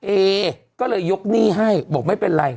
เอก็เลยยกหนี้ให้บอกไม่เป็นไร